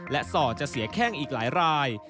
และส่อจะเสียแข้งอีกหลายราย